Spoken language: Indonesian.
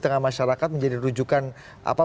tengah masyarakat menjadi rujukan apa